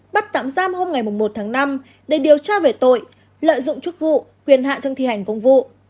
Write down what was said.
bắt tạm giam hôm ngày một tháng năm để điều tra về tội lợi dụng chức vụ quyền hạn trong thi hành công vụ